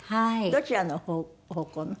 どちらの方向の？